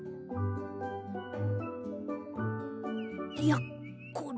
やっころ